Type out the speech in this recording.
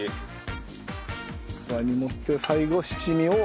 器に盛って最後七味を。